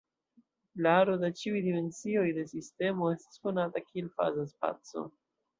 La aro da ĉiuj dimensioj de sistemo estas konata kiel faza spaco.